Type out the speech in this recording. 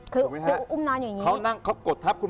คืออุ้มนอนอยู่อย่างนี้